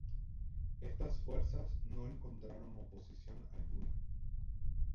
Estas fuerzas no encontraron oposición alguna.